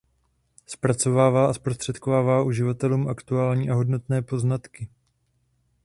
Zpracovává a zprostředkovává uživatelům aktuální a hodnotné poznatky.